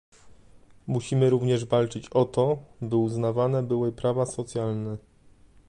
Musimy również walczyć o to, by uznawane były prawa socjalne